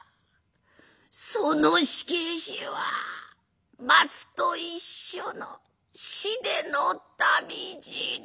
その仕返しは松と一緒の死出の旅路だ。